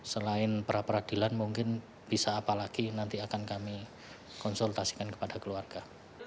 selain pra peradilan mungkin bisa apalagi nanti akan kami konsultasikan kepada keluarga